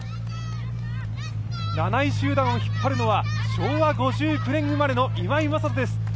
７位集団を引っ張るのは昭和５９年生まれの今井正人です。